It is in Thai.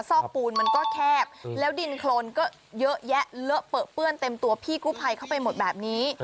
อกปูนมันก็แคบแล้วดินโครนก็เยอะแยะเลอะเปลือเปื้อนเต็มตัวพี่กู้ภัยเข้าไปหมดแบบนี้